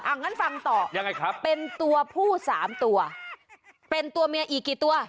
อ่ะงั้นฟังต่อเป็นตัวผู้๓ตัวเป็นตัวเมียอีกกี่ตัว